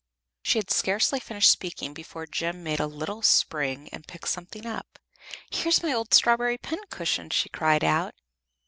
She had scarcely finished speaking before Jem made a little spring and picked something up. "Here's my old strawberry pincushion!" she cried out.